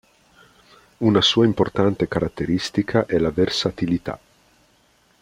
Una sua importante caratteristica è la versatilità.